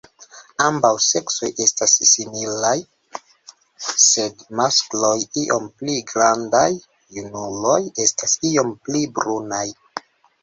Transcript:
Ambaŭ seksoj estas similaj sed maskloj iom pli grandaj; junuloj estas iom pli brunaj.